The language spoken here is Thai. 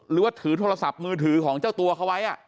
หรือว่าถือโทรศัพท์มือถือของเจ้าตัวเขาไว้